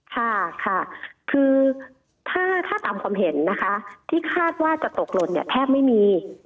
ถ้าคือถ้าตามความเห็นที่คาดจะตกหลงแทบไม่มี